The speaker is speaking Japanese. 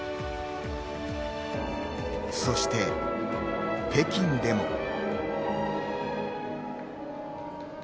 そして北京でも。